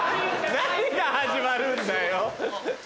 何が始まるんだよ。